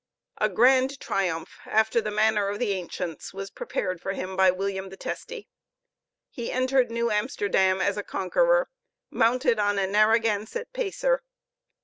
A grand triumph, after the manner of the ancients, was prepared for him by William the Testy. He entered New Amsterdam as a conqueror, mounted on a Narraganset pacer.